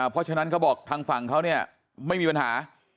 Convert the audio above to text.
เพราะฉะนั้นเขาบอกทางฝั่งเขาเนี่ยไม่มีปัญหา